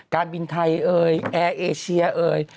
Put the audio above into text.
การบินไทยเอ่ยแอร์เอเชียเอ่ย